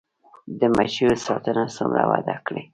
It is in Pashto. د مچیو ساتنه څومره وده کړې؟